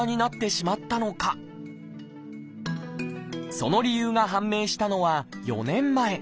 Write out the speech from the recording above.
その理由が判明したのは４年前。